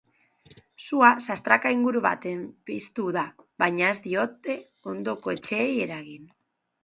Sua sastraka inguru batean piztu da, baina ez die ondoko etxeei eragin.